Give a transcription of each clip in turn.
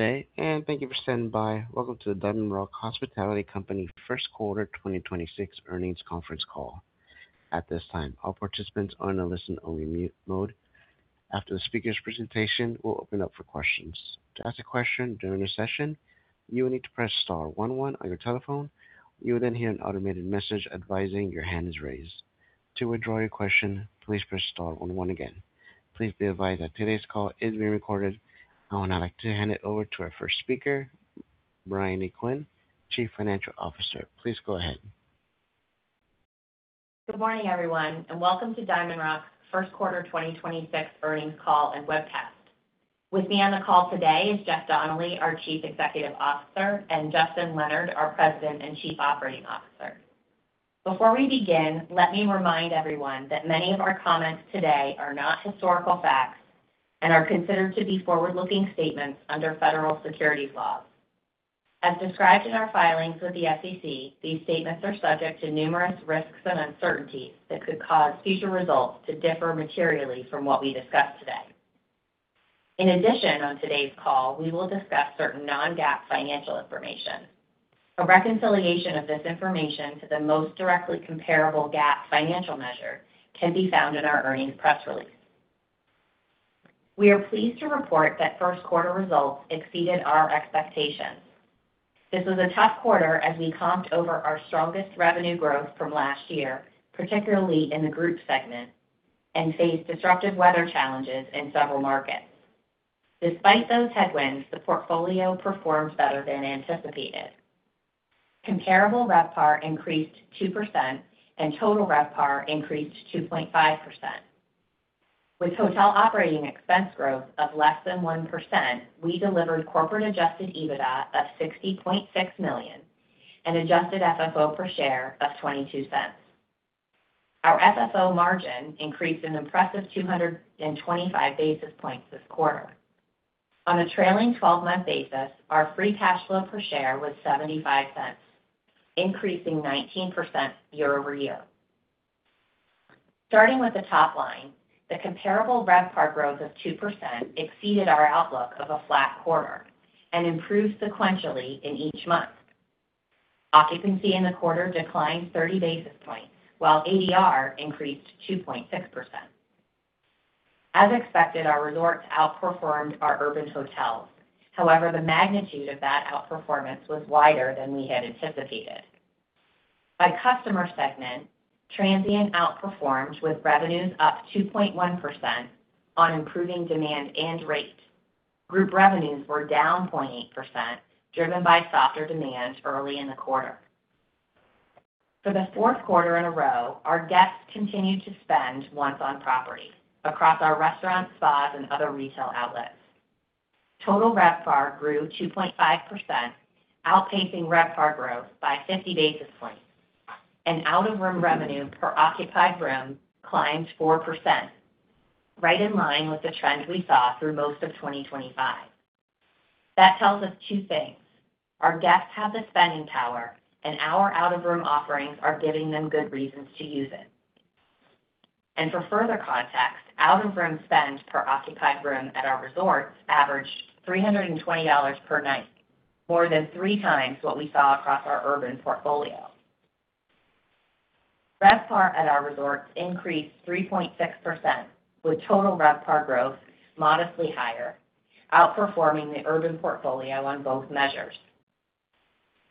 Day, thank you for standing by. Welcome to the DiamondRock Hospitality Company first quarter 2026 earnings conference call. At this time, all participants are in a listen-only mute mode. After the speaker's presentation, we'll open up for questions. To ask a question during this session, you will need to press star one one on your telephone. You will hear an automated message advising your hand is raised. To withdraw your question, please press star one one again. Please be advised that today's call is being recorded. I would now like to hand it over to our first speaker, Briony Quinn, Chief Financial Officer. Please go ahead. Good morning, everyone, and welcome to DiamondRock's first quarter 2026 earnings call and webcast. With me on the call today is Jeff Donnelly, our Chief Executive Officer, and Justin Leonard, our President and Chief Operating Officer. Before we begin, let me remind everyone that many of our comments today are not historical facts and are considered to be forward-looking statements under federal securities laws. As described in our filings with the SEC, these statements are subject to numerous risks and uncertainties that could cause future results to differ materially from what we discuss today. In addition, on today's call, we will discuss certain non-GAAP financial information. A reconciliation of this information to the most directly comparable GAAP financial measure can be found in our earnings press release. We are pleased to report that first quarter results exceeded our expectations. This was a tough quarter as we comped over our strongest revenue growth from last year, particularly in the group segment, and faced disruptive weather challenges in several markets. Despite those headwinds, the portfolio performed better than anticipated. Comparable RevPAR increased 2%, and total RevPAR increased 2.5%. With hotel operating expense growth of less than 1%, we delivered corporate adjusted EBITDA of $60.6 million and adjusted FFO per share of $0.22. Our FFO margin increased an impressive 225 basis points this quarter. On a trailing 12-month basis, our free cash flow per share was $0.75, increasing 19% year-over-year. Starting with the top line, the comparable RevPAR growth of 2% exceeded our outlook of a flat quarter and improved sequentially in each month. Occupancy in the quarter declined 30 basis points while ADR increased 2.6%. As expected, our resorts outperformed our urban hotels. The magnitude of that outperformance was wider than we had anticipated. By customer segment, transient outperformed with revenues up 2.1% on improving demand and rate. Group revenues were down 0.8%, driven by softer demand early in the quarter. For the fourth quarter in a row, our guests continued to spend once on property across our restaurants, spas, and other retail outlets. Total RevPAR grew 2.5%, outpacing RevPAR growth by 50 basis points, out of room revenue per occupied room climbed 4%, right in line with the trend we saw through most of 2025. That tells us two things. Our guests have the spending power. Our out of room offerings are giving them good reasons to use it. For further context, out of room spend per occupied room at our resorts averaged $320 per night, more than 3x what we saw across our urban portfolio. RevPAR at our resorts increased 3.6%, with Total RevPAR growth modestly higher, outperforming the urban portfolio on both measures.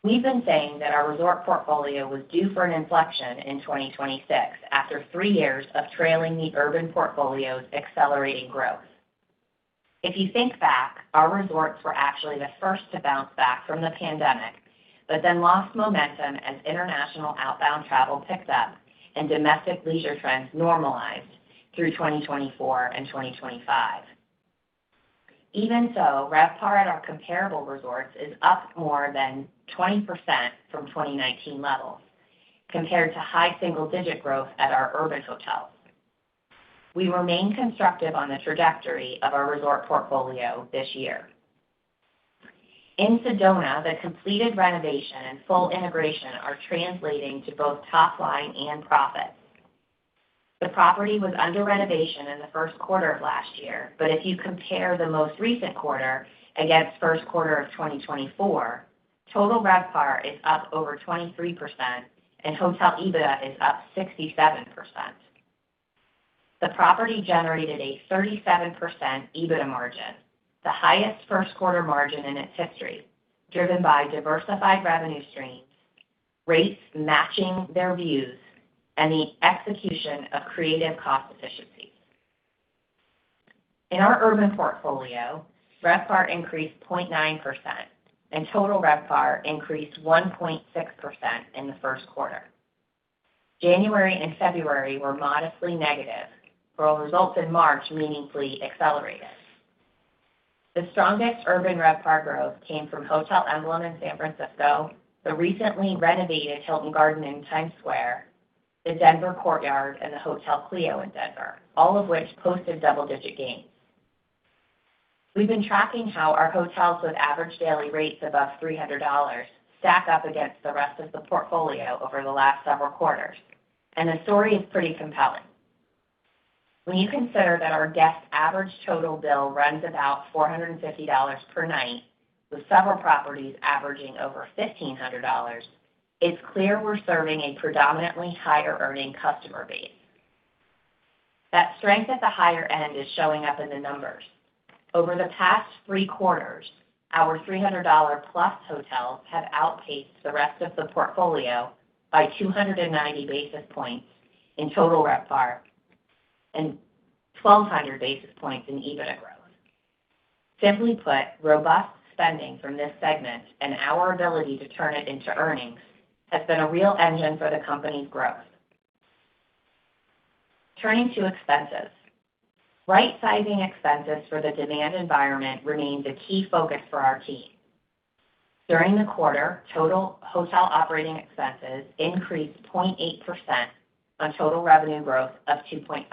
We've been saying that our resort portfolio was due for an inflection in 2026 after three years of trailing the urban portfolio's accelerating growth. If you think back, our resorts were actually the first to bounce back from the pandemic, but then lost momentum as international outbound travel picked up and domestic leisure trends normalized through 2024 and 2025. Even so, RevPAR at our comparable resorts is up more than 20% from 2019 levels compared to high single-digit growth at our urban hotels. We remain constructive on the trajectory of our resort portfolio this year. In Sedona, the completed renovation and full integration are translating to both top line and profits. The property was under renovation in the first quarter of last year. If you compare the most recent quarter against first quarter of 2024, Total RevPAR is up over 23%, and Hotel EBITDA is up 67%. The property generated a 37% EBITDA margin, the highest first quarter margin in its history, driven by diversified revenue streams, rates matching their views, and the execution of creative cost efficiencies. In our urban portfolio, RevPAR increased 0.9%, and Total RevPAR increased 1.6% in the first quarter. January and February were modestly negative, while results in March meaningfully accelerated. The strongest urban RevPAR growth came from Hotel Emblem in San Francisco, the recently renovated Hilton Garden Inn Times Square, the Denver Courtyard, and the Hotel Clio in Denver, all of which posted double-digit gains. We've been tracking how our hotels with average daily rates above $300 stack up against the rest of the portfolio over the last several quarters, and the story is pretty compelling. When you consider that our guest average total bill runs about $450 per night, with several properties averaging over $1,500, it's clear we're serving a predominantly higher earning customer base. That strength at the higher end is showing up in the numbers. Over the past three quarters, our $300+ hotels have outpaced the rest of the portfolio by 290 basis points in Total RevPAR and 1,200 basis points in EBITDA growth. Simply put, robust spending from this segment and our ability to turn it into earnings has been a real engine for the company's growth. Turning to expenses. Right-sizing expenses for the demand environment remains a key focus for our team. During the quarter, total hotel operating expenses increased 0.8% on total revenue growth of 2.5%,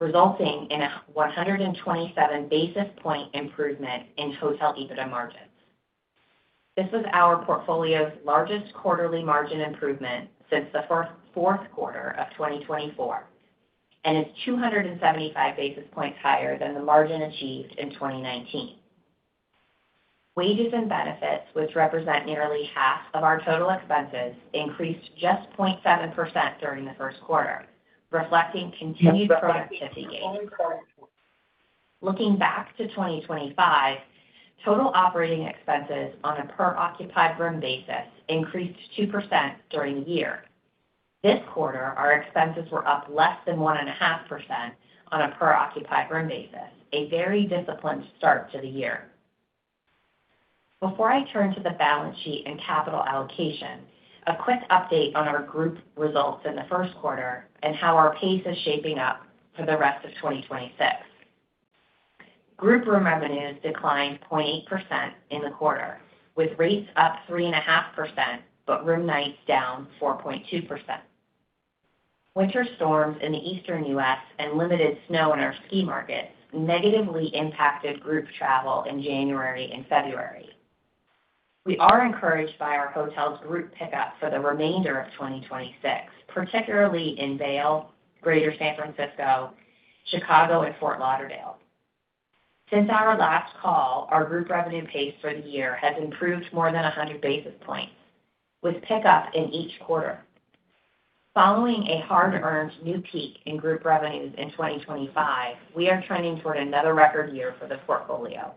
resulting in a 127 basis point improvement in hotel EBITDA margins. This is our portfolio's largest quarterly margin improvement since the fourth quarter of 2024 and is 275 basis points higher than the margin achieved in 2019. Wages and benefits, which represent nearly half of our total expenses, increased just 0.7% during the first quarter, reflecting continued productivity gains. Looking back to 2025, total operating expenses on a per occupied room basis increased 2% during the year. This quarter, our expenses were up less than 1.5% on a per occupied room basis, a very disciplined start to the year. Before I turn to the balance sheet and capital allocation, a quick update on our Group Room Revenues in the first quarter and how our pace is shaping up for the rest of 2026. Group Room Revenues declined 0.8% in the quarter, with rates up 3.5%, but room nights down 4.2%. Winter storms in the Eastern U.S. and limited snow in our ski markets negatively impacted group travel in January and February. We are encouraged by our hotel's group pickup for the remainder of 2026, particularly in Vail, Greater San Francisco, Chicago, and Fort Lauderdale. Since our last call, our group revenue pace for the year has improved more than 100 basis points, with pickup in each quarter. Following a hard-earned new peak in group revenues in 2025, we are trending toward another record year for the portfolio.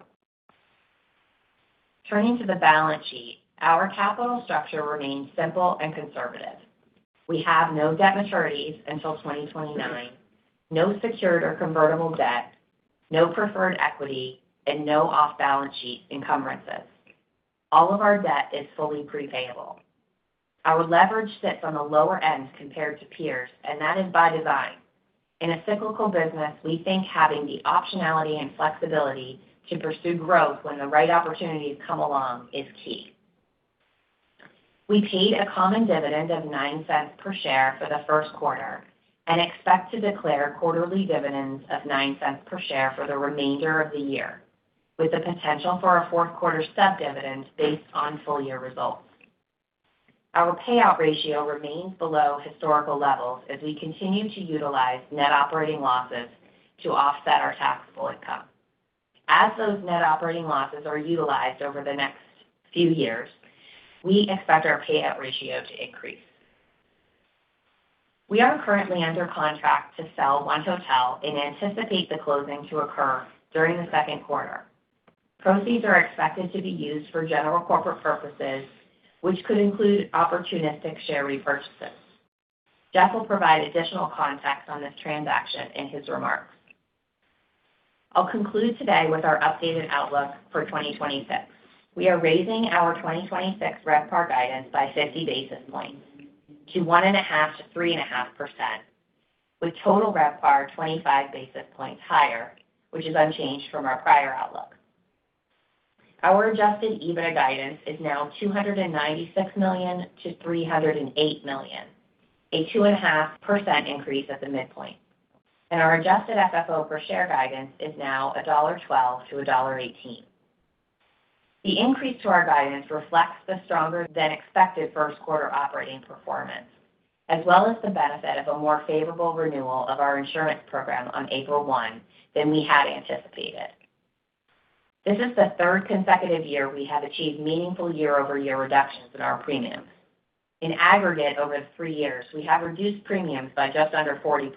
Turning to the balance sheet, our capital structure remains simple and conservative. We have no debt maturities until 2029, no secured or convertible debt, no preferred equity, and no off-balance sheet encumbrances. All of our debt is fully pre-payable. Our leverage sits on the lower end compared to peers, and that is by design. In a cyclical business, we think having the optionality and flexibility to pursue growth when the right opportunities come along is key. We paid a common dividend of $0.09 per share for the first quarter and expect to declare quarterly dividends of $0.09 per share for the remainder of the year, with the potential for a fourth quarter step dividend based on full-year results. Our payout ratio remains below historical levels as we continue to utilize net operating losses to offset our taxable income. As those net operating losses are utilized over the next few years, we expect our payout ratio to increase. We are currently under contract to sell one hotel and anticipate the closing to occur during the second quarter. Proceeds are expected to be used for general corporate purposes, which could include opportunistic share repurchases. Jeff will provide additional context on this transaction in his remarks. I'll conclude today with our updated outlook for 2026. We are raising our 2026 RevPAR guidance by 50 basis points to 1.5%-3.5%, with Total RevPAR 25 basis points higher, which is unchanged from our prior outlook. Our adjusted EBITDA guidance is now $296 million-$308 million, a 2.5% increase at the midpoint. Our adjusted FFO per share guidance is now $1.12-$1.18. The increase to our guidance reflects the stronger than expected first quarter operating performance, as well as the benefit of a more favorable renewal of our insurance program on April 1 than we had anticipated. This is the third consecutive year we have achieved meaningful year-over-year reductions in our premiums. In aggregate, over three years, we have reduced premiums by just under 40%.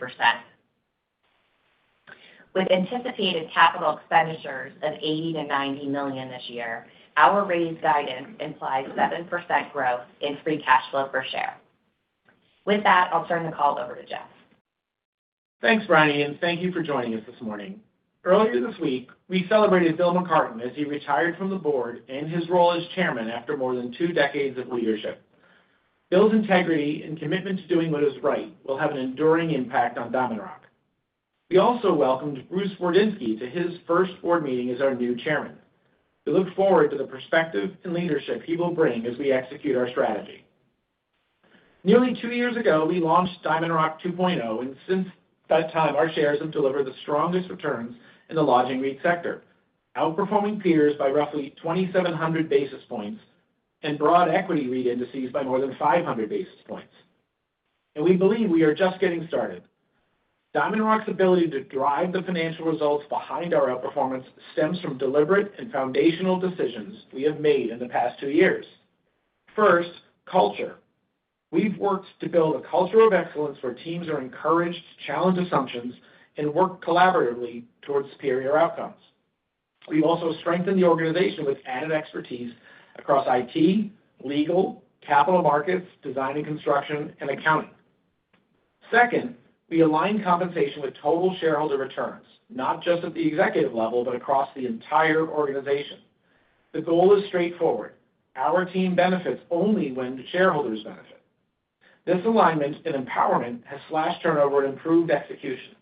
With anticipated CapEx of $80 million-$90 million this year, our raised guidance implies 7% growth in free cash flow per share. With that, I'll turn the call over to Jeff. Thanks, Briony, and thank you for joining us this morning. Earlier this week, we celebrated Bill McCarten as he retired from the board and his role as chairman after more than two decades of leadership. Bill's integrity and commitment to doing what is right will have an enduring impact on DiamondRock. We also welcomed Bruce Wardinski to his first board meeting as our new chairman. We look forward to the perspective and leadership he will bring as we execute our strategy. Nearly two years ago, we launched DiamondRock 2.0, and since that time, our shares have delivered the strongest returns in the lodging REIT sector, outperforming peers by roughly 2,700 basis points. Broad equity REIT indices by more than 500 basis points. We believe we are just getting started. DiamondRock's ability to drive the financial results behind our outperformance stems from deliberate and foundational decisions we have made in the past two years. First, culture. We've worked to build a culture of excellence where teams are encouraged to challenge assumptions and work collaboratively towards superior outcomes. We've also strengthened the organization with added expertise across IT, legal, capital markets, design and construction, and accounting. Second, we align compensation with total shareholder returns, not just at the executive level, but across the entire organization. The goal is straightforward. Our team benefits only when the shareholders benefit. This alignment and empowerment has slashed turnover and improved execution.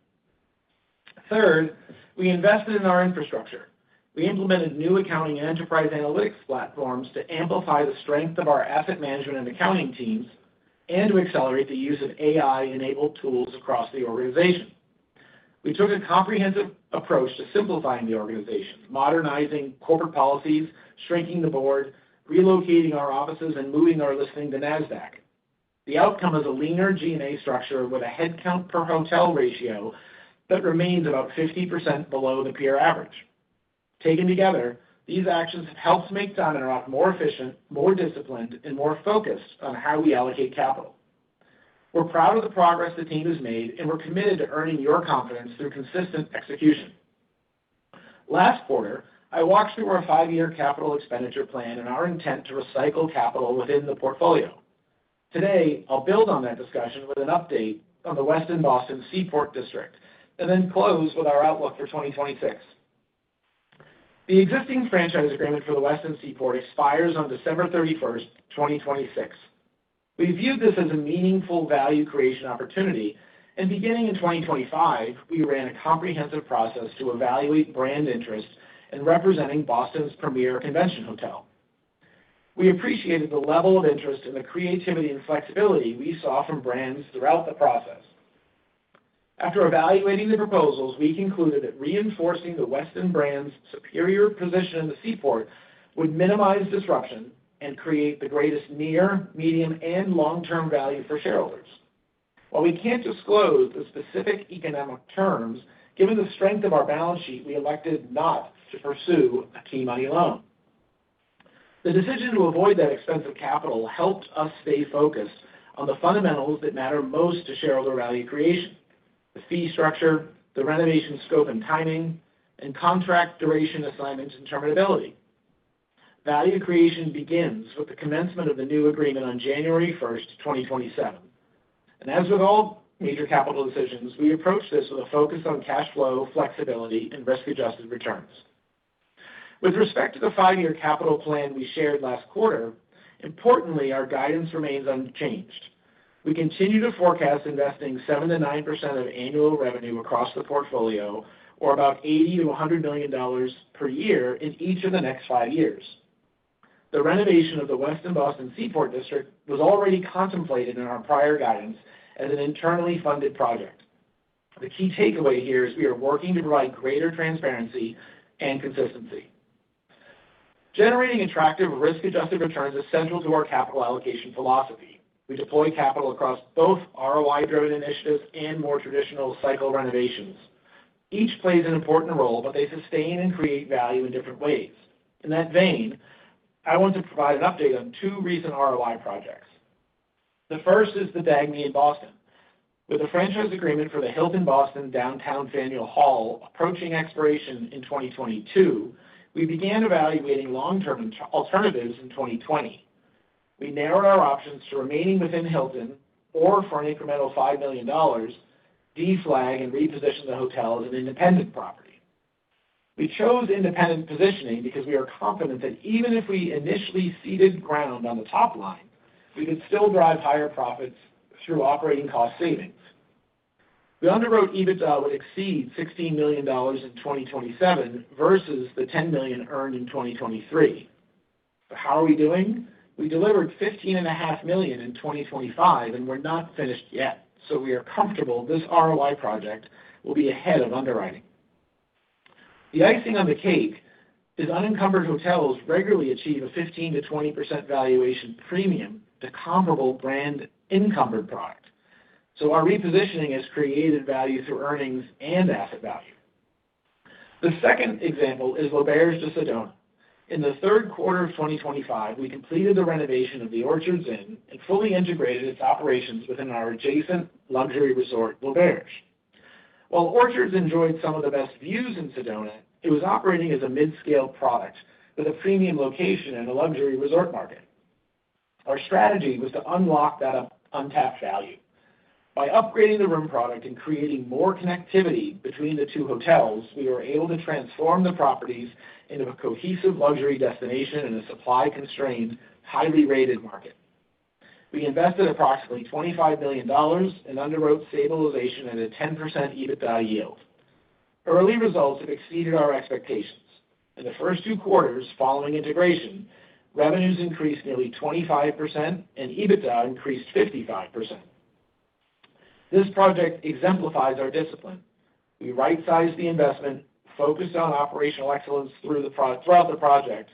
Third, we invested in our infrastructure. We implemented new accounting and enterprise analytics platforms to amplify the strength of our asset management and accounting teams and to accelerate the use of AI-enabled tools across the organization. We took a comprehensive approach to simplifying the organization, modernizing corporate policies, shrinking the board, relocating our offices, and moving our listing to Nasdaq. The outcome is a leaner G&A structure with a headcount per hotel ratio that remains about 50% below the peer average. Taken together, these actions have helped make DiamondRock more efficient, more disciplined, and more focused on how we allocate capital. We're proud of the progress the team has made, and we're committed to earning your confidence through consistent execution. Last quarter, I walked through our five-year capital expenditure plan and our intent to recycle capital within the portfolio. Today, I'll build on that discussion with an update on the Westin Boston Seaport District, and then close with our outlook for 2026. The existing franchise agreement for the Westin Seaport expires on December 31st, 2026. We viewed this as a meaningful value creation opportunity, and beginning in 2025, we ran a comprehensive process to evaluate brand interest in representing Boston's premier convention hotel. We appreciated the level of interest and the creativity and flexibility we saw from brands throughout the process. After evaluating the proposals, we concluded that reinforcing the Westin brand's superior position in the Seaport would minimize disruption and create the greatest near, medium, and long-term value for shareholders. While we can't disclose the specific economic terms, given the strength of our balance sheet, we elected not to pursue a key money loan. The decision to avoid that expensive capital helped us stay focused on the fundamentals that matter most to shareholder value creation: the fee structure, the renovation scope and timing, and contract duration, assignments, and terminability. Value creation begins with the commencement of the new agreement on January 1st, 2027. As with all major capital decisions, we approach this with a focus on cash flow, flexibility, and risk-adjusted returns. With respect to the five-year capital plan we shared last quarter, importantly, our guidance remains unchanged. We continue to forecast investing 7%-9% of annual revenue across the portfolio, or about $80 million-$100 million per year in each of the next five years. The renovation of The Westin Boston Seaport District was already contemplated in our prior guidance as an internally funded project. The key takeaway here is we are working to provide greater transparency and consistency. Generating attractive risk-adjusted returns is central to our capital allocation philosophy. We deploy capital across both ROI-driven initiatives and more traditional cycle renovations. Each plays an important role, but they sustain and create value in different ways. In that vein, I want to provide an update on two recent ROI projects. The first is The Dagny in Boston. With the franchise agreement for the Hilton Boston Downtown/Faneuil Hall approaching expiration in 2022, we began evaluating long-term alternatives in 2020. We narrowed our options to remaining within Hilton or for an incremental $5 million, deflag and reposition the hotel as an independent property. We chose independent positioning because we are confident that even if we initially ceded ground on the top line, we could still drive higher profits through operating cost savings. We underwrote EBITDA would exceed $16 million in 2027 versus the $10 million earned in 2023. How are we doing? We delivered $15.5 million in 2025, and we're not finished yet. We are comfortable this ROI project will be ahead of underwriting. The icing on the cake is unencumbered hotels regularly achieve a 15%-20% valuation premium to comparable brand-encumbered product. Our repositioning has created value through earnings and asset value. The second example is L'Auberge de Sedona. In the third quarter of 2025, we completed the renovation of the Orchards Inn and fully integrated its operations within our adjacent luxury resort, L'Auberge. While Orchards enjoyed some of the best views in Sedona, it was operating as a mid-scale product with a premium location in a luxury resort market. Our strategy was to unlock that untapped value. By upgrading the room product and creating more connectivity between the two hotels, we were able to transform the properties into a cohesive luxury destination in a supply-constrained, highly rated market. We invested approximately $25 million and underwrote stabilization at a 10% EBITDA yield. Early results have exceeded our expectations. In the first two quarters following integration, revenues increased nearly 25% and EBITDA increased 55%. This project exemplifies our discipline. We right-sized the investment, focused on operational excellence throughout the project,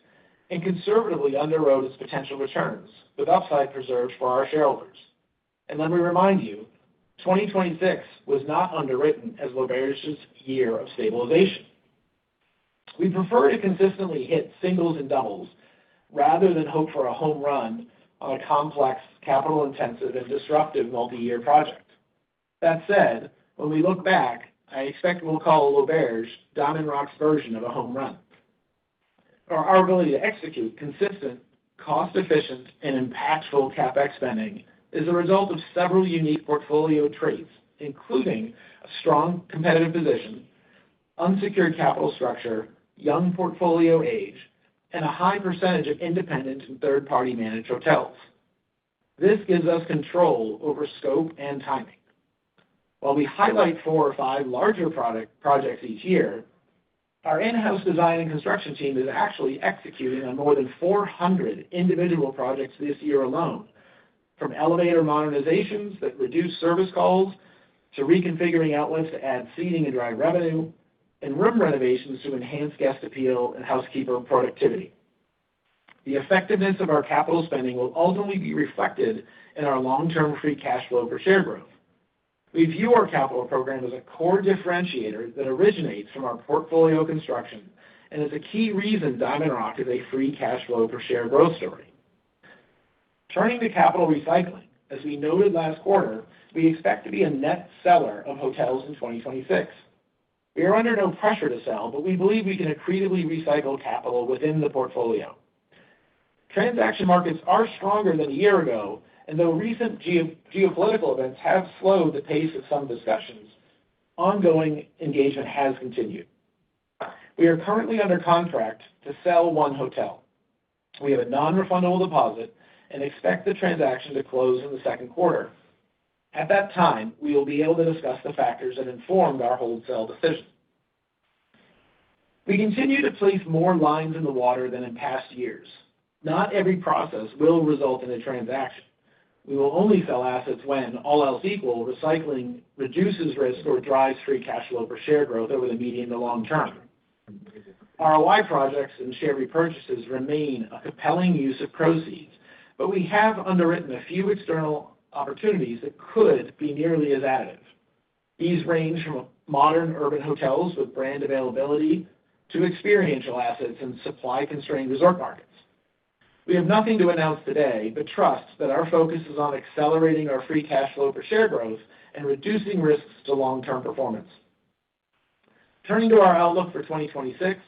and conservatively underwrote its potential returns with upside preserved for our shareholders. Let me remind you, 2026 was not underwritten as L'Auberge's year of stabilization. We prefer to consistently hit singles and doubles rather than hope for a home run on a complex, capital-intensive, and disruptive multi-year project. That said, when we look back, I expect we'll call L'Auberge DiamondRock's version of a home run. Our ability to execute consistent, cost-efficient, and impactful CapEx spending is a result of several unique portfolio traits, including a strong competitive position, unsecured capital structure, young portfolio age, and a high percentage of independent and third-party managed hotels. This gives us control over scope and timing. While we highlight four or five larger projects each year, our in-house design and construction team is actually executing on more than 400 individual projects this year alone, from elevator modernizations that reduce service calls to reconfiguring outlets to add seating and drive revenue, and room renovations to enhance guest appeal and housekeeper productivity. The effectiveness of our capital spending will ultimately be reflected in our long-term free cash flow per share growth. We view our capital program as a core differentiator that originates from our portfolio construction and is a key reason DiamondRock is a free cash flow per share growth story. Turning to capital recycling, as we noted last quarter, we expect to be a net seller of hotels in 2026. We are under no pressure to sell, but we believe we can accretively recycle capital within the portfolio. Though recent geopolitical events have slowed the pace of some discussions, ongoing engagement has continued. We are currently under contract to sell one hotel. We have a non-refundable deposit and expect the transaction to close in the second quarter. At that time, we will be able to discuss the factors that informed our hold-sell decision. We continue to place more lines in the water than in past years. Not every process will result in a transaction. We will only sell assets when, all else equal, recycling reduces risk or drives free cash flow per share growth over the medium to long term. ROI projects and share repurchases remain a compelling use of proceeds, but we have underwritten a few external opportunities that could be nearly as additive. These range from modern urban hotels with brand availability to experiential assets in supply-constrained resort markets. We have nothing to announce today, but trust that our focus is on accelerating our free cash flow per share growth and reducing risks to long-term performance. Turning to our outlook for 2026,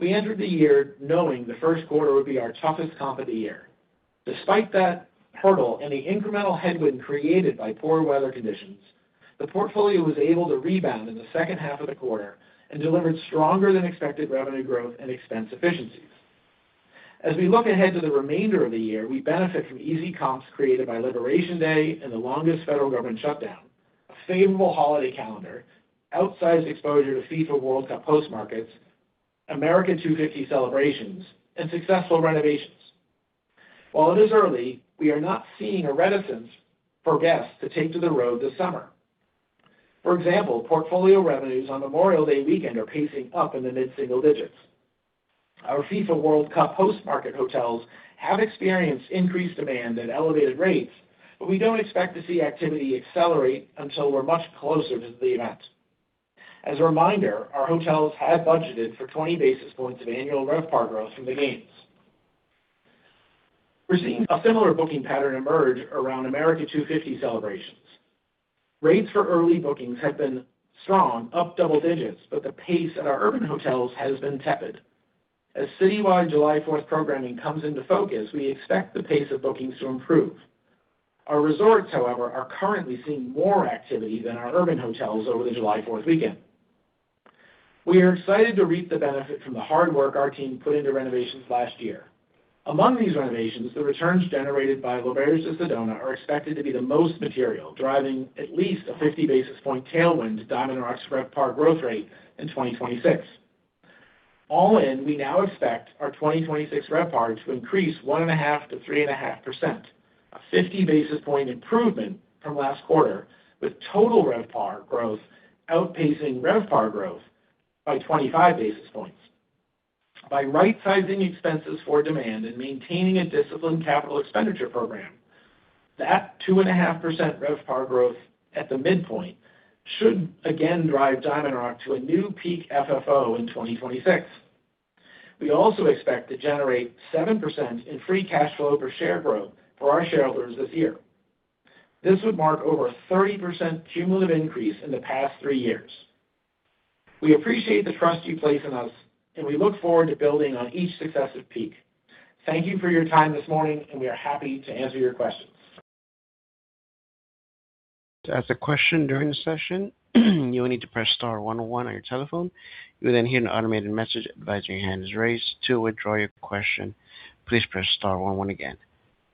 we entered the year knowing the first quarter would be our toughest comp of the year. Despite that hurdle and the incremental headwind created by poor weather conditions, the portfolio was able to rebound in the second half of the quarter and delivered stronger than expected revenue growth and expense efficiencies. As we look ahead to the remainder of the year, we benefit from easy comps created by Liberation Day and the longest federal government shutdown, a favorable holiday calendar, outsized exposure to FIFA World Cup host markets, America 250 celebrations, and successful renovations. While it is early, we are not seeing a reticence for guests to take to the road this summer. For example, portfolio revenues on Memorial Day weekend are pacing up in the mid-single digits. Our FIFA World Cup host market hotels have experienced increased demand at elevated rates, but we don't expect to see activity accelerate until we're much closer to the event. As a reminder, our hotels have budgeted for 20 basis points of annual RevPAR growth from the games. We're seeing a similar booking pattern emerge around America 250 celebrations. Rates for early bookings have been strong, up double digits, but the pace at our urban hotels has been tepid. As citywide July Fourth programming comes into focus, we expect the pace of bookings to improve. Our resorts, however, are currently seeing more activity than our urban hotels over the July Fourth weekend. We are excited to reap the benefit from the hard work our team put into renovations last year. Among these renovations, the returns generated by L'Auberge de Sedona are expected to be the most material, driving at least a 50 basis point tailwind to DiamondRock's RevPAR growth rate in 2026. All in, we now expect our 2026 RevPAR to increase 1.5%-3.5%, a 50 basis point improvement from last quarter, with Total RevPAR growth outpacing RevPAR growth by 25 basis points. By right-sizing expenses for demand and maintaining a disciplined capital expenditure program, that 2.5% RevPAR growth at the midpoint should again drive DiamondRock to a new peak FFO in 2026. We also expect to generate 7% in free cash flow per share growth for our shareholders this year. This would mark over a 30% cumulative increase in the past three years. We appreciate the trust you place in us, and we look forward to building on each successive peak. Thank you for your time this morning, and we are happy to answer your questions. To ask a question during the session, you will need to press star one one on your telephone. You will then hear an automated message advising your hand is raised. To withdraw your question, please press star one one again.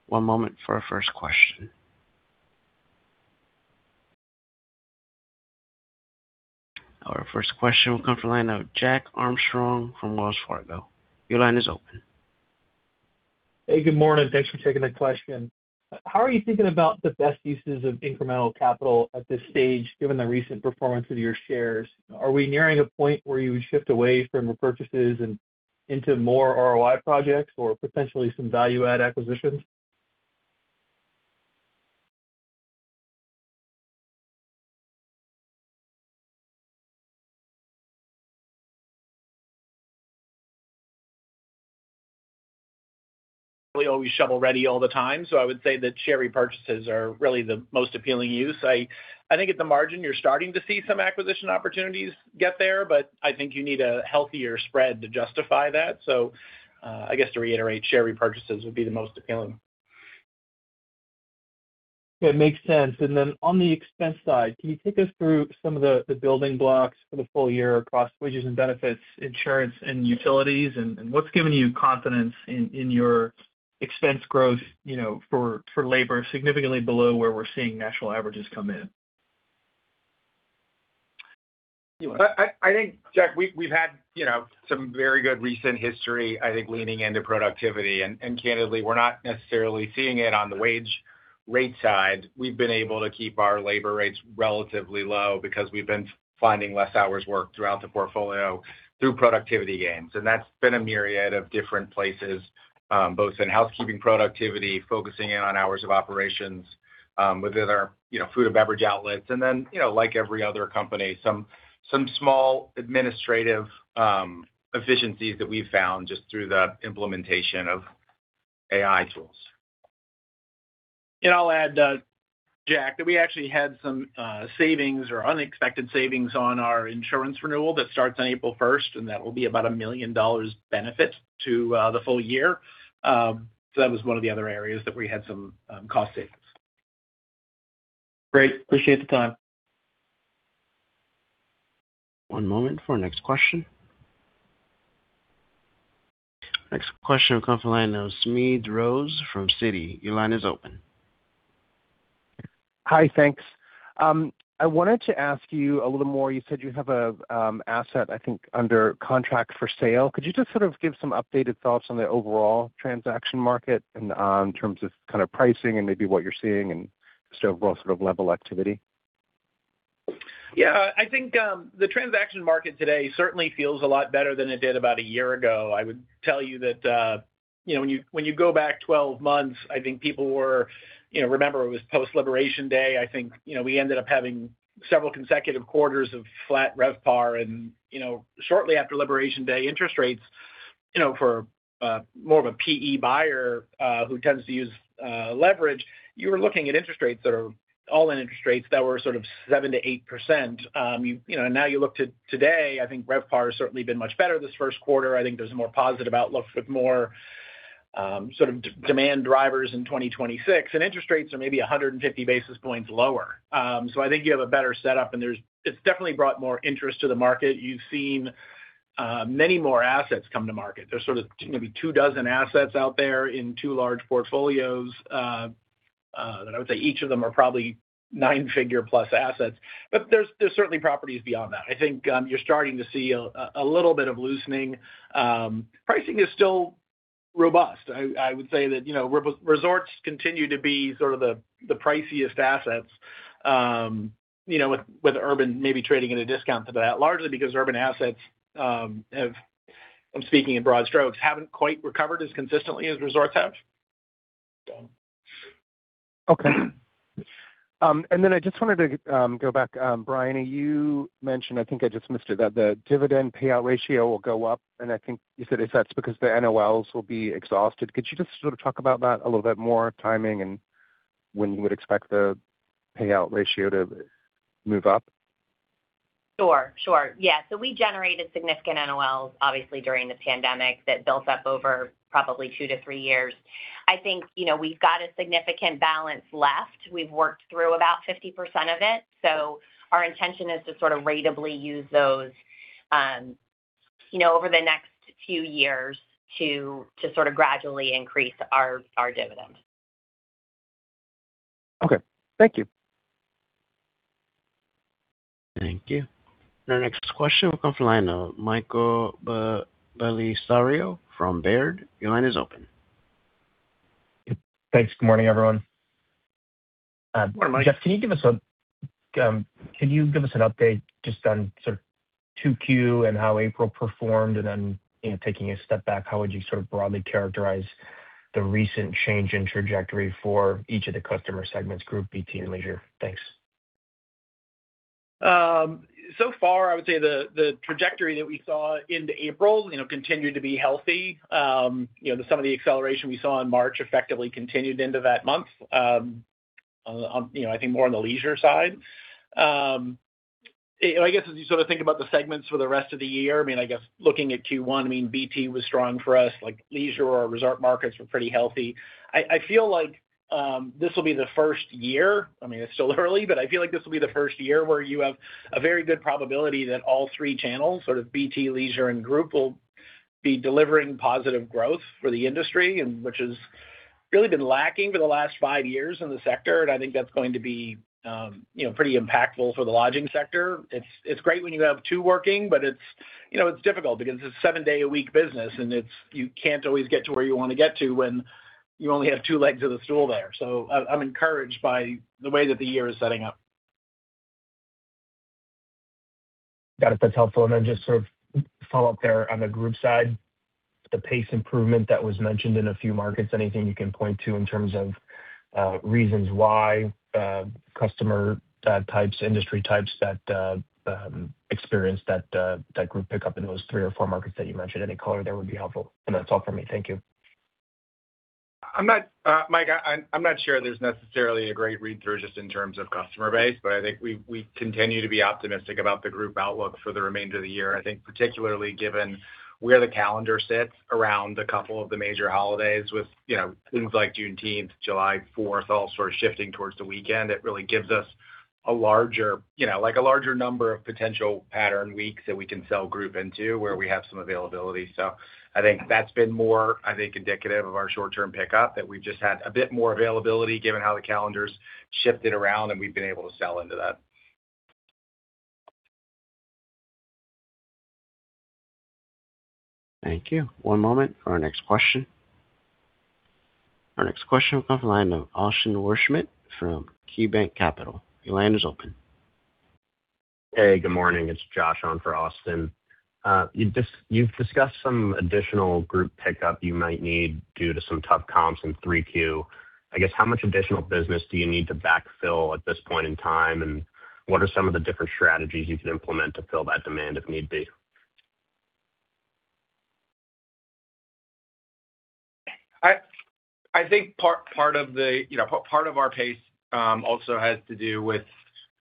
One moment for our first question. Our first question will come from the line of Jack Armstrong from Wells Fargo. Your line is open. Hey, good morning. Thanks for taking the question. How are you thinking about the best uses of incremental capital at this stage, given the recent performance of your shares? Are we nearing a point where you would shift away from repurchases and into more ROI projects or potentially some value-add acquisitions? We always shovel ready all the time. I would say that share repurchases are really the most appealing use. I think at the margin, you're starting to see some acquisition opportunities get there. I think you need a healthier spread to justify that. I guess to reiterate, share repurchases would be the most appealing. It makes sense. On the expense side, can you take us through some of the building blocks for the full year across wages and benefits, insurance and utilities? What's giving you confidence in your expense growth, you know, for labor significantly below where we're seeing national averages come in? I think, Jack, we've had, you know, some very good recent history, I think, leaning into productivity. Candidly, we're not necessarily seeing it on the wage rate side. We've been able to keep our labor rates relatively low because we've been finding less hours worked throughout the portfolio through productivity gains. That's been a myriad of different places, both in housekeeping productivity, focusing in on hours of operations, within our, you know, Food and Beverage outlets. Then, you know, like every other company, some small administrative efficiencies that we've found just through the implementation of AI tools. I'll add, Jack, that we actually had some savings or unexpected savings on our insurance renewal that starts on April 1st. That will be about a $1 million benefit to the full year. That was one of the other areas that we had some cost savings. Great. Appreciate the time. One moment for next question. Next question will come from the line of Smedes Rose from Citi. Your line is open. Hi. Thanks. I wanted to ask you a little more. You said you have a asset, I think, under contract for sale. Could you just sort of give some updated thoughts on the overall transaction market and in terms of kind of pricing and maybe what you're seeing and just overall sort of level activity? Yeah. I think the transaction market today certainly feels a lot better than it did about a year ago. I would tell you that, you know, when you, when you go back 12 months, I think people were, you know, remember it was post Liberation Day. I think, you know, we ended up having several consecutive quarters of flat RevPAR. You know, shortly after Liberation Day, interest rates, you know, for more of a PE buyer, who tends to use leverage, you were looking at interest rates that are all-in interest rates that were sort of 7%-8%. You know, now you look to today, I think RevPAR has certainly been much better this first quarter. I think there's a more positive outlook with more, sort of demand drivers in 2026. Interest rates are maybe 150 basis points lower. I think you have a better setup. It's definitely brought more interest to the market. You've seen many more assets come to market. There's sort of maybe two dozen assets out there in two large portfolios that I would say each of them are probably nine-figure plus assets. There's certainly properties beyond that. I think you're starting to see a little bit of loosening. Pricing is still robust. I would say that, you know, resorts continue to be sort of the priciest assets, you know, with urban maybe trading at a discount to that, largely because urban assets have, I'm speaking in broad strokes, haven't quite recovered as consistently as resorts have. Okay. I just wanted to go back. Briony, you mentioned, I think I just missed it, that the dividend payout ratio will go up, and I think you said if that's because the NOLs will be exhausted. Could you just sort of talk about that a little bit more, timing and when you would expect the payout ratio to move up? Sure. We generated significant NOLs, obviously, during the pandemic that built up over probably two to three years. I think, you know, we've got a significant balance left. We've worked through about 50% of it. Our intention is to sort of ratably use those, you know, over the next few years to sort of gradually increase our dividends. Okay. Thank you. Thank you. Our next question will come from line of Michael Bellisario from Baird. Your line is open. Thanks. Good morning, everyone. Good morning. Jeff, can you give us an update just on sort of 2Q and how April performed? You know, taking a step back, how would you sort of broadly characterize the recent change in trajectory for each of the customer segments, group, BT, and leisure? Thanks. So far, I would say the trajectory that we saw into April continued to be healthy. Some of the acceleration we saw in March effectively continued into that month, on, I think more on the leisure side. I guess as you sort of think about the segments for the rest of the year, I guess looking at Q1, BT was strong for us. Leisure or resort markets were pretty healthy. I feel like this will be the first year. I mean, it's still early, but I feel like this will be the first year where you have a very good probability that all three channels, sort of BT, leisure, and group, will be delivering positive growth for the industry and which has really been lacking for the last five years in the sector, and I think that's going to be, you know, pretty impactful for the lodging sector. It's, it's great when you have two working, but it's, you know, it's difficult because it's seven day a week business, and you can't always get to where you wanna get to when you only have two legs of the stool there. I'm encouraged by the way that the year is setting up. Got it. That's helpful. Then just sort of follow up there on the group side, the pace improvement that was mentioned in a few markets, anything you can point to in terms of reasons why, customer types, industry types that experience that group pick up in those three or four markets that you mentioned. Any color there would be helpful. That's all for me. Thank you. Mike, I'm not sure there's necessarily a great read-through just in terms of customer base, but I think we continue to be optimistic about the group outlook for the remainder of the year. I think particularly given where the calendar sits around a couple of the major holidays with, you know, things like Juneteenth, July Fourth, all sort of shifting towards the weekend. It really gives us a larger, you know, like a larger number of potential pattern weeks that we can sell group into where we have some availability. I think that's been more indicative of our short-term pickup, that we've just had a bit more availability given how the calendar's shifted around, and we've been able to sell into that. Thank you. One moment for our next question. Our next question will come from the line of Austin Wurschmidt from KeyBanc Capital. Your line is open. Hey, good morning. It's Josh on for Austin. You've discussed some additional group pickup you might need due to some tough comps in 3Q. I guess how much additional business do you need to backfill at this point in time, and what are some of the different strategies you could implement to fill that demand if need be? I think part of the-, part of our pace, also has to do with,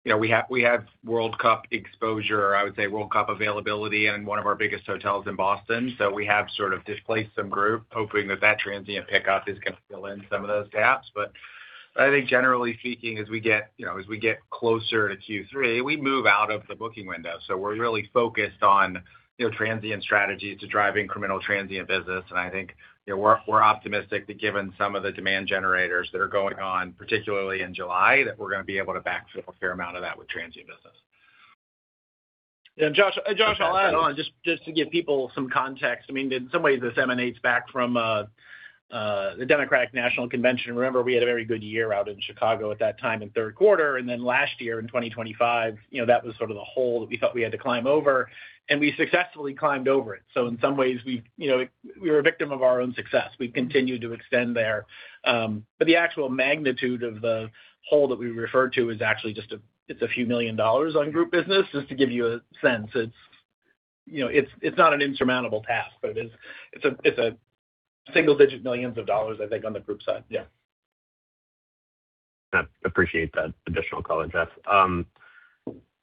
you know, we have World Cup exposure, I would say World Cup availability in one of our biggest hotels in Boston. We have sort of displaced some group, hoping that that transient pickup is gonna fill in some of those gaps. I think generally speaking, as we get, you know, as we get closer to Q3, we move out of the booking window. We're really focused on, you know, transient strategies to drive incremental transient business. I think, you know, we're optimistic that given some of the demand generators that are going on, particularly in July, that we're gonna be able to backfill a fair amount of that with transient business. Josh, I'll add on just to give people some context. I mean, in some ways this emanates back from the Democratic National Convention. Remember we had a very good year out in Chicago at that time in third quarter, last year in 2025, you know, that was sort of the hole that we thought we had to climb over, we successfully climbed over it. In some ways we, you know, we were a victim of our own success. We continued to extend there. The actual magnitude of the hole that we referred to is actually it's a few million dollars on group business, just to give you a sense. It's, you know, it's not an insurmountable task, it's a single-digit millions of dollars, I think, on the group side. Yeah. Appreciate that additional color, Jeff.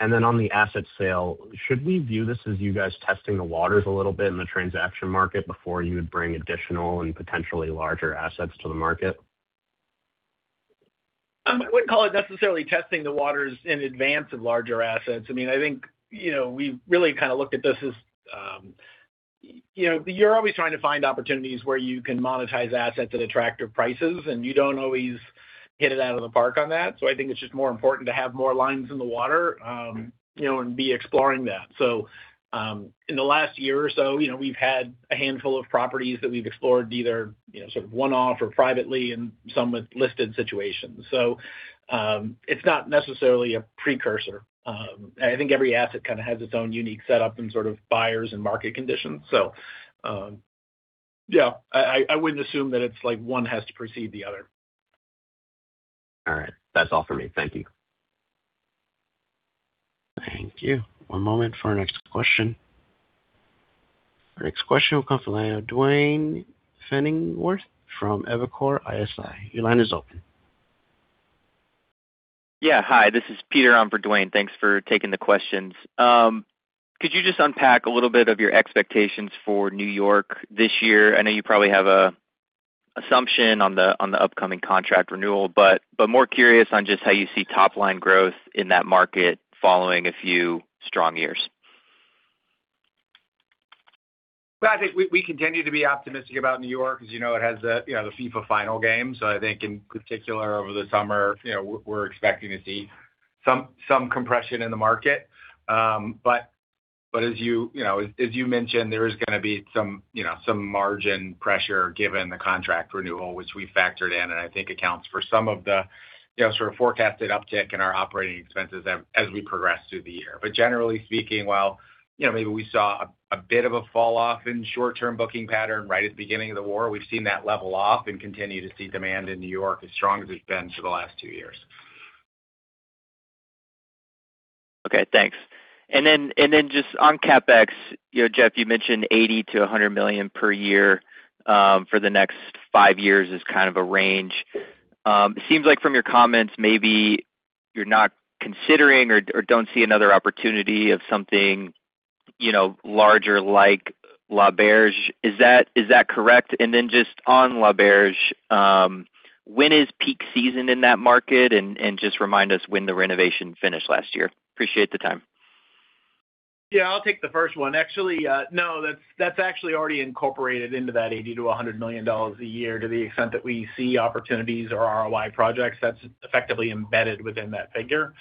On the asset sale, should we view this as you guys testing the waters a little bit in the transaction market before you would bring additional and potentially larger assets to the market? I wouldn't call it necessarily testing the waters in advance of larger assets. I mean, I think, you know, we really kind of looked at this as, you know, you're always trying to find opportunities where you can monetize assets at attractive prices, and you don't always hit it out of the park on that. I think it's just more important to have more lines in the water, you know, and be exploring that. In the last year or so, you know, we've had a handful of properties that we've explored either, you know, sort of one-off or privately and some with listed situations. It's not necessarily a precursor. I think every asset kind of has its own unique setup and sort of buyers and market conditions. Yeah, I wouldn't assume that it's like one has to precede the other. All right. That's all for me. Thank you. Thank you. One moment for our next question. Our next question will come from the line of Duane Pfennigwerth from Evercore ISI. Your line is open. Yeah. Hi, this is Peter on for Duane. Thanks for taking the questions. Could you just unpack a little bit of your expectations for New York this year? I know you probably have an assumption on the upcoming contract renewal, but more curious on just how you see top-line growth in that market following a few strong years. Well, I think we continue to be optimistic about New York because, you know, it has the FIFA final game. I think in particular over the summer, you know, we're expecting to see some compression in the market. As you know, as you mentioned, there is gonna be some margin pressure given the contract renewal, which we factored in and I think accounts for some of the, you know, sort of forecasted uptick in our operating expenses as we progress through the year. Generally speaking, while, you know, maybe we saw a bit of a fall off in short-term booking pattern right at the beginning of the war, we've seen that level off and continue to see demand in New York as strong as it's been for the last two years. Okay, thanks. Just on CapEx, you know, Jeff, you mentioned $80 million-$100 million per year for the next five years as kind of a range. It seems like from your comments, maybe you're not considering or don't see another opportunity of something, you know, larger like L'Auberge. Is that correct? Just on L'Auberge, when is peak season in that market? Just remind us when the renovation finished last year. Appreciate the time. Yeah, I'll take the first one. Actually, no, that's actually already incorporated into that $80 million-$100 million a year to the extent that we see opportunities or ROI projects that's effectively embedded within that figure.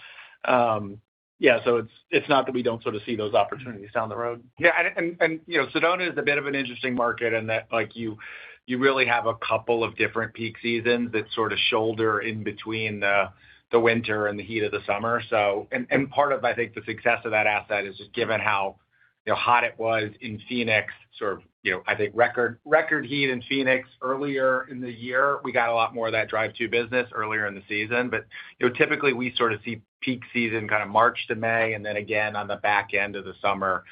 Yeah, it's not that we don't sort of see those opportunities down the road. Yeah. You know, Sedona is a bit of an interesting market in that like you really have a couple of different peak seasons that sort of shoulder in between the winter and the heat of the summer. Part of, I think, the success of that asset is just given how, you know, hot it was in Phoenix, sort of, you know, I think record heat in Phoenix earlier in the year. We got a lot more of that drive to business earlier in the season. You know, typically we sort of see peak season kind of March to May, and then again on the back end of the summer,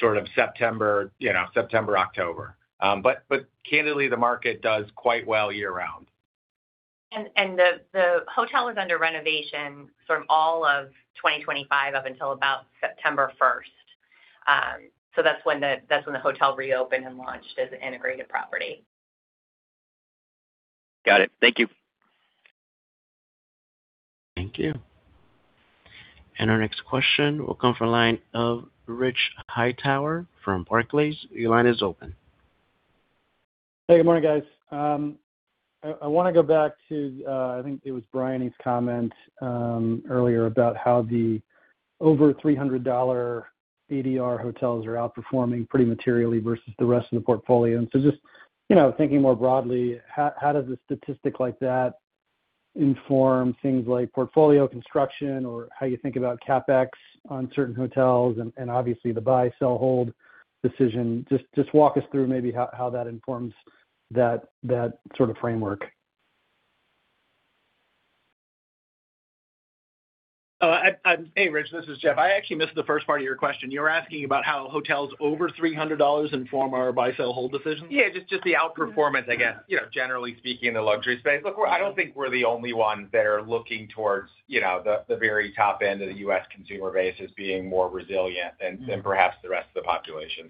sort of September, you know, October. Candidly, the market does quite well year round. The hotel is under renovation from all of 2025 up until about September 1st. That's when the hotel reopened and launched as an integrated property. Got it. Thank you. Thank you. Our next question will come from line of Rich Hightower from Barclays. Your line is open. Hey, good morning, guys. I want to go back to, I think it was Briony's comment earlier about how the over $300 ADR hotels are outperforming pretty materially versus the rest of the portfolio. Just, you know, thinking more broadly, how does a statistic like that inform things like portfolio construction or how you think about CapEx on certain hotels and, obviously, the buy, sell, hold decision? Just walk us through maybe how that informs that sort of framework. Hey, Rich, this is Jeff. I actually missed the first part of your question. You were asking about how hotels over $300 inform our buy, sell, hold decision? Just the outperformance, I guess, you know, generally speaking in the luxury space. I don't think we're the only ones that are looking towards, you know, the very top end of the U.S. consumer base as being more resilient than perhaps the rest of the population.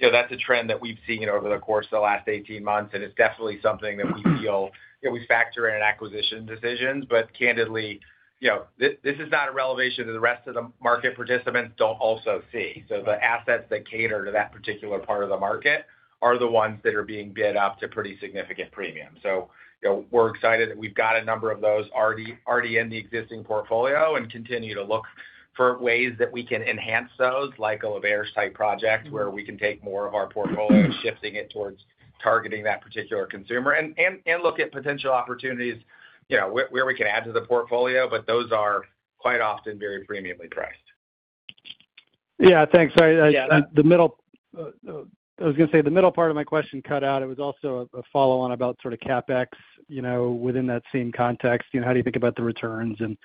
You know, that's a trend that we've seen over the course of the last 18 months, and it's definitely something that we feel, you know, we factor in acquisition decisions. Candidly, you know, this is not a revelation that the rest of the market participants don't also see. The assets that cater to that particular part of the market are the ones that are being bid up to pretty significant premium. You know, we're excited that we've got a number of those already in the existing portfolio, and continue to look for ways that we can enhance those, like a L'Auberge type project, where we can take more of our portfolio, shifting it towards targeting that particular consumer, and look at potential opportunities, you know, where we can add to the portfolio, but those are quite often very premiumbly priced. Yeah. Thanks. Yeah. The middle, I was gonna say the middle part of my question cut out. It was also a follow on about sort of CapEx, you know, within that same context. You know, how do you think about the returns? You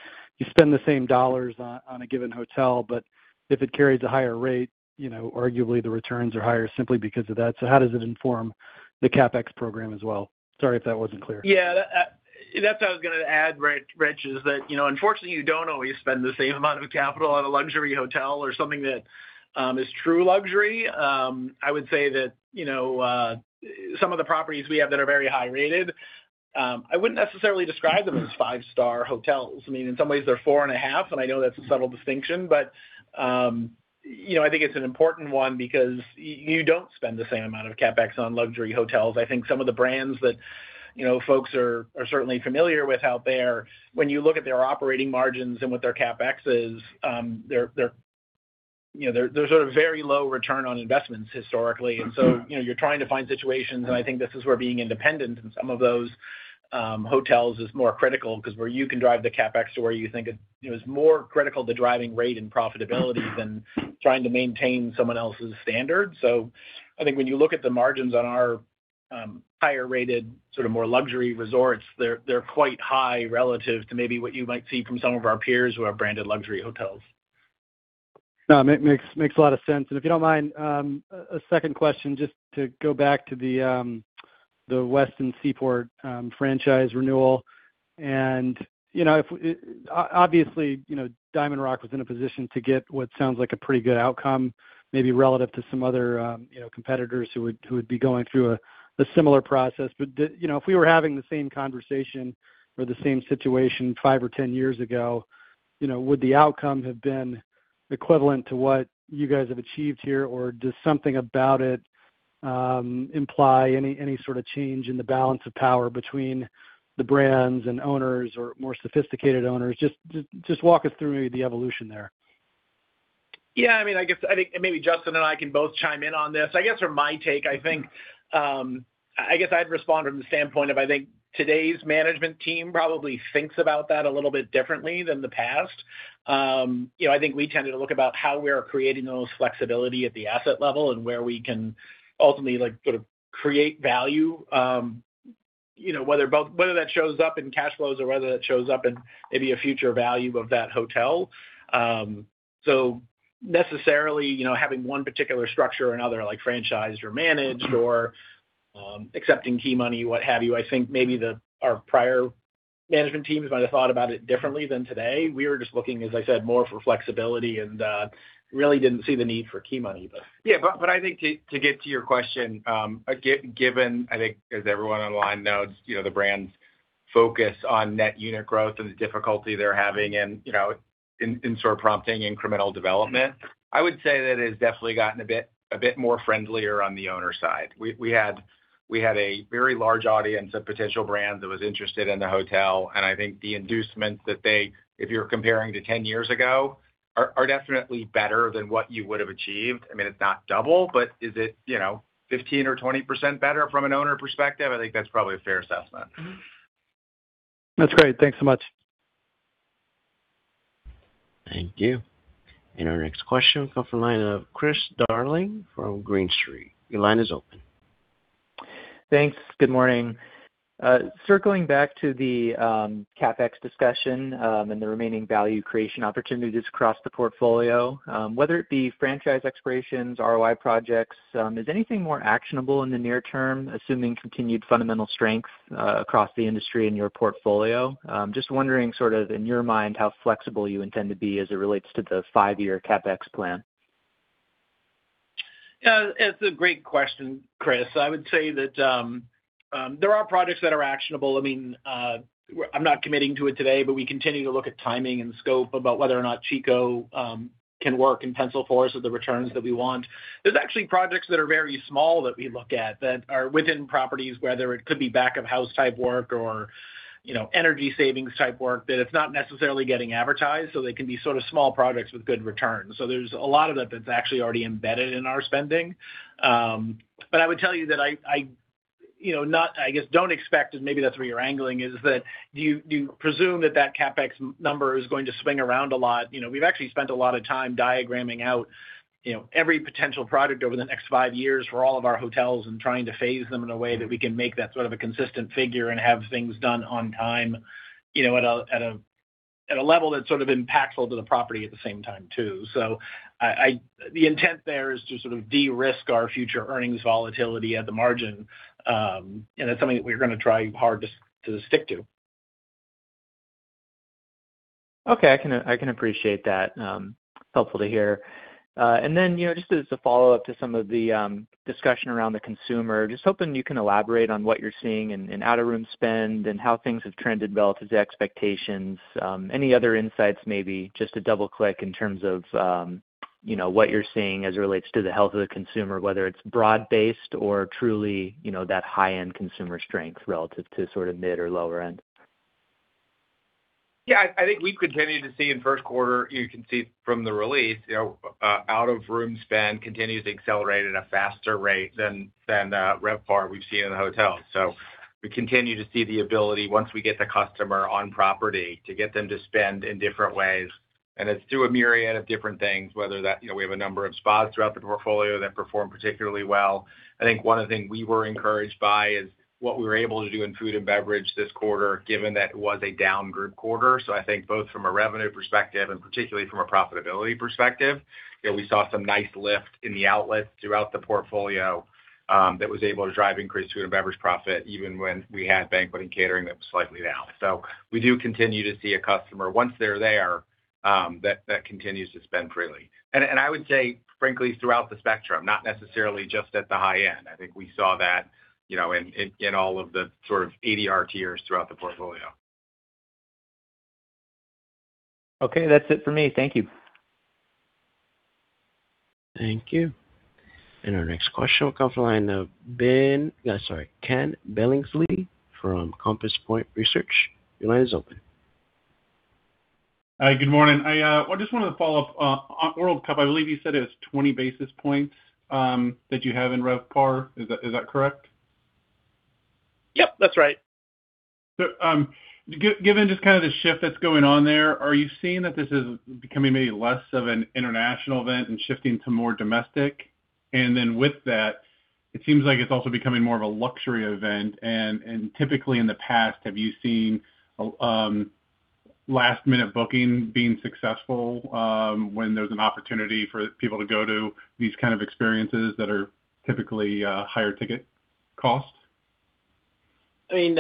spend the same dollars on a given hotel, but if it carries a higher rate, you know, arguably the returns are higher simply because of that. How does it inform the CapEx program as well? Sorry if that wasn't clear. Yeah. That, that's how I was gonna add, Rich, is that, you know, unfortunately, you don't always spend the same amount of capital on a luxury hotel or something that is true luxury. I would say that, you know, some of the properties we have that are very high rated, I wouldn't necessarily describe them as five-star hotels. I mean, in some ways, they're 4.5, and I know that's a subtle distinction, but, you know, I think it's an important one because you don't spend the same amount of CapEx on luxury hotels. I think some of the brands that, you know, folks are certainly familiar with out there, when you look at their operating margins and what their CapEx is, they're, you know, they're sort of very low return on investments historically. You know, you're trying to find situations, and I think this is where being independent in some of those hotels is more critical 'cause where you can drive the CapEx to where you think it, you know, is more critical to driving rate and profitability than trying to maintain someone else's standard. I think when you look at the margins on our higher rated, sort of more luxury resorts, they're quite high relative to maybe what you might see from some of our peers who are branded luxury hotels. No. It makes a lot of sense. If you don't mind, a second question just to go back to the Westin Seaport franchise renewal. You know, if obviously, you know, DiamondRock was in a position to get what sounds like a pretty good outcome, maybe relative to some other, you know, competitors who would be going through a similar process. You know, if we were having the same conversation or the same situation five or 10 years ago, you know, would the outcome have been equivalent to what you guys have achieved here? Does something about it imply any sort of change in the balance of power between the brands and owners or more sophisticated owners? Just walk us through the evolution there. Yeah. I mean, I guess, I think maybe Justin and I can both chime in on this. I guess from my take, I think, I guess I'd respond from the standpoint of, I think today's management team probably thinks about that a little bit differently than the past. You know, I think we tended to look about how we are creating those flexibility at the asset level and where we can ultimately, like, sort of create value, you know, whether that shows up in cash flows or whether that shows up in maybe a future value of that hotel. So necessarily, you know, having one particular structure or another, like franchised or managed or accepting key money, what have you, I think maybe the, our prior management teams might have thought about it differently than today. We were just looking, as I said, more for flexibility and really didn't see the need for key money. Yeah. I think to get to your question, given, I think as everyone on the line knows, you know, the brands, focus on net unit growth and the difficulty they're having and, you know, in sort of prompting incremental development. I would say that it has definitely gotten a bit more friendlier on the owner side. We had a very large audience of potential brands that was interested in the hotel, and I think the inducements that they, if you're comparing to 10 years ago, are definitely better than what you would have achieved. I mean, it's not double, but is it, you know, 15% or 20% better from an owner perspective? I think that's probably a fair assessment. That's great. Thanks so much. Thank you. Our next question comes from line of Chris Darling from Green Street. Your line is open. Thanks. Good morning. Circling back to the CapEx discussion, and the remaining value creation opportunities across the portfolio, whether it be franchise expirations, ROI projects, is anything more actionable in the near term, assuming continued fundamental strength across the industry in your portfolio? Just wondering sort of in your mind how flexible you intend to be as it relates to the five-year CapEx plan. Yeah, it's a great question, Chris. I would say that there are projects that are actionable. I mean, I'm not committing to it today, but we continue to look at timing and scope about whether or not Chico can work and pencil for us with the returns that we want. There's actually projects that are very small that we look at that are within properties, whether it could be back-of-house type work or, you know, energy savings type work, that it's not necessarily getting advertised, so they can be sort of small projects with good returns. There's a lot of that that's actually already embedded in our spending. I would tell you that I, you know, I guess, don't expect, and maybe that's where you're angling, is that do you presume that that CapEx number is going to swing around a lot? You know, we've actually spent a lot of time diagramming out, you know, every potential project over the next five years for all of our hotels and trying to phase them in a way that we can make that sort of a consistent figure and have things done on time, you know, at a level that's sort of impactful to the property at the same time, too. I, the intent there is to sort of de-risk our future earnings volatility at the margin, and it's something that we're gonna try hard to stick to. Okay. I can, I can appreciate that. Helpful to hear. Then, you know, just as a follow-up to some of the discussion around the consumer, just hoping you can elaborate on what you're seeing in out-of-room spend and how things have trended relative to expectations. Any other insights maybe just to double-click in terms of, you know, what you're seeing as it relates to the health of the consumer, whether it's broad-based or truly, you know, that high-end consumer strength relative to sort of mid or lower end? Yeah. I think we've continued to see in first quarter, you can see from the release, you know, out-of-room spend continues to accelerate at a faster rate than RevPAR we've seen in the hotels. We continue to see the ability, once we get the customer on property, to get them to spend in different ways. It's through a myriad of different things, whether that, you know, we have a number of spas throughout the portfolio that perform particularly well. I think one of the things we were encouraged by is what we were able to do in Food and Beverage this quarter, given that it was a down group quarter. I think both from a revenue perspective and particularly from a profitability perspective, you know, we saw some nice lift in the outlets throughout the portfolio, that was able to drive increased Food and Beverage profit even when we had banqueting catering that was slightly down. We do continue to see a customer, once they're there, that continues to spend freely. I would say, frankly, throughout the spectrum, not necessarily just at the high end. I think we saw that, you know, in, in all of the sort of ADR tiers throughout the portfolio. Okay. That's it for me. Thank you. Thank you. Our next question will come from line of sorry, Ken Billingsley from Compass Point Research. Your line is open. Hi. Good morning. I just wanted to follow up on World Cup. I believe you said it was 20 basis points that you have in RevPAR. Is that, is that correct? Yep, that's right. Given just kind of the shift that's going on there, are you seeing that this is becoming maybe less of an international event and shifting to more domestic? With that, it seems like it's also becoming more of a luxury event. Typically in the past, have you seen last-minute booking being successful when there's an opportunity for people to go to these kind of experiences that are typically higher ticket costs? I mean,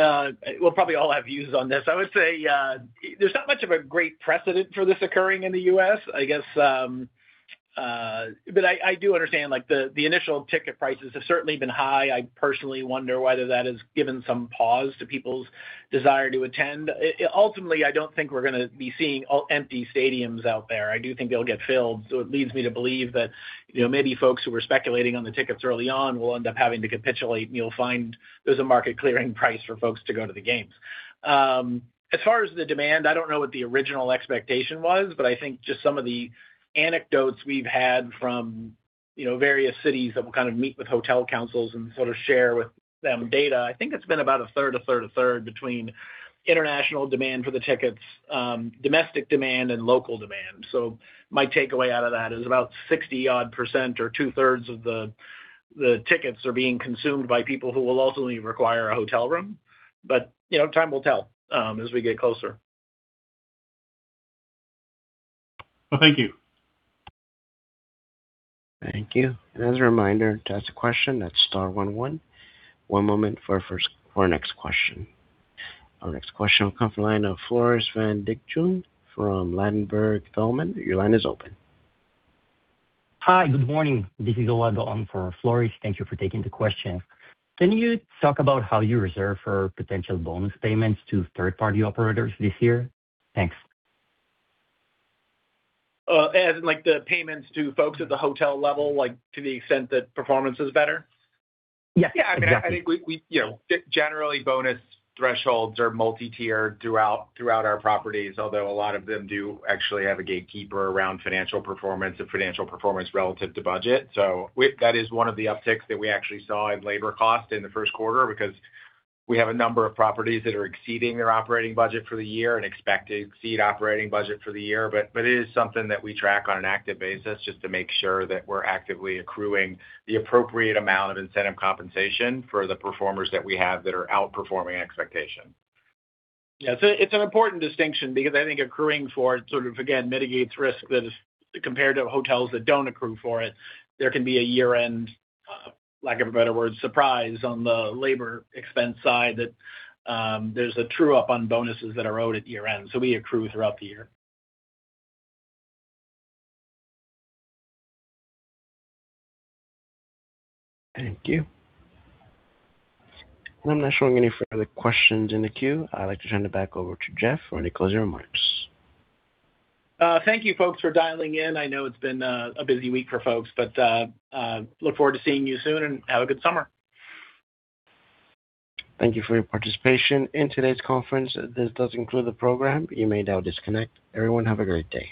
we'll probably all have views on this. I would say, there's not much of a great precedent for this occurring in the U.S., I guess. I do understand, like, the initial ticket prices have certainly been high. I personally wonder whether that has given some pause to people's desire to attend. Ultimately, I don't think we're gonna be seeing all empty stadiums out there. I do think they'll get filled, so it leads me to believe that, you know, maybe folks who were speculating on the tickets early on will end up having to capitulate, and you'll find there's a market clearing price for folks to go to the games. As far as the demand, I don't know what the original expectation was, but I think just some of the anecdotes we've had from, you know, various cities that we kind of meet with hotel councils and sort of share with them data, I think it's been about a third, a third, a third between international demand for the tickets, domestic demand and local demand. My takeaway out of that is about 60-odd% or 2/3 of the tickets are being consumed by people who will ultimately require a hotel room. You know, time will tell as we get closer. Well, thank you. Thank you. As a reminder, to ask a question, that's star one one. One moment for our next question. Our next question will come from line of Floris van Dijkum from Ladenburg Thalmann. Your line is open. Hi. Good morning. This is Ohad on for Floris. Thank you for taking the question. Can you talk about how you reserve for potential bonus payments to third-party operators this year? Thanks. As in like the payments to folks at the hotel level, like, to the extent that performance is better? Yes, exactly. I mean, I think we, you know, generally bonus thresholds are multi-tiered throughout our properties, although a lot of them do actually have a gatekeeper around financial performance or financial performance relative to budget. That is one of the upticks that we actually saw in labor cost in the first quarter because we have a number of properties that are exceeding their operating budget for the year and expect to exceed operating budget for the year. It is something that we track on an active basis just to make sure that we're actively accruing the appropriate amount of incentive compensation for the performers that we have that are outperforming expectation. Yeah. It's an important distinction because I think accruing for it sort of, again, mitigates risk that is compared to hotels that don't accrue for it. There can be a year-end, lack of a better word, surprise on the labor expense side that there's a true up on bonuses that are owed at year-end, so we accrue throughout the year. Thank you. I'm not showing any further questions in the queue. I'd like to turn it back over to Jeff for any closing remarks. Thank you folks for dialing in. I know it's been a busy week for folks, but look forward to seeing you soon, and have a good summer. Thank you for your participation in today's conference. This does conclude the program. You may now disconnect. Everyone, have a great day.